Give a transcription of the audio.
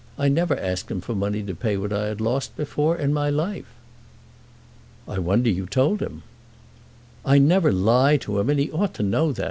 I never asked him for money to pay what I had lost before in my life." "I wonder you told him." "I never lie to him, and he ought to know that.